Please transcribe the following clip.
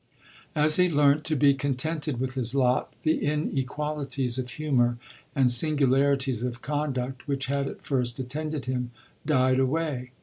As he learnt to be contented with his lot, the inequalities of humour, and singularities of conduct, which had at first attended him, died away.